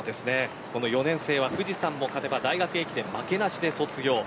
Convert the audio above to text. ４年生は富士山も勝てば大学駅伝負けなしで卒業。